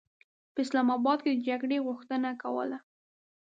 په اسلام اباد کې د جګړې غوښتنه کوله.